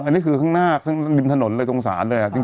อันนี้คือข้างหน้าบินถนนเลยตรงศาสตร์เลย